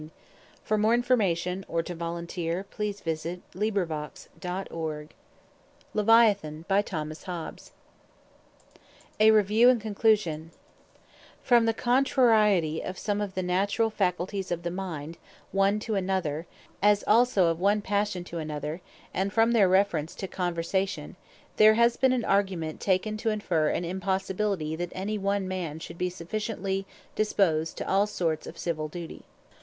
Which when I have reviewed, I shall willingly expose it to the censure of my Countrey. A REVIEW, AND CONCLUSION From the contrariety of some of the Naturall Faculties of the Mind, one to another, as also of one Passion to another, and from their reference to Conversation, there has been an argument taken, to inferre an impossibility that any one man should be sufficiently disposed to all sorts of Civill duty.